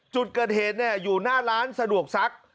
จุดเกิดเหตุอยู่หน้าร้านสะดวกซัก